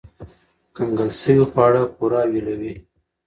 کنګل شوي خواړه پوره ویلوئ.